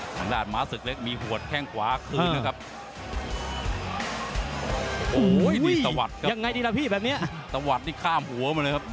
หลังด้านม้าศึกเล็กมีหัวแข้งขวาคืนนะครับ